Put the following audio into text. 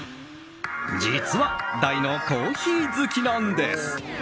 実は、大のコーヒー好きなんです。